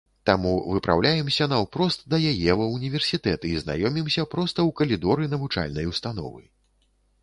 Таму выпраўляемся наўпрост да яе ва ўніверсітэт і знаёмімся проста ў калідоры навучальнай установы.